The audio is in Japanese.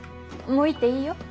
もう行っていいよ。